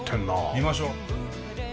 見ましょ。